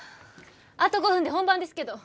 あと５分で本番ですけど。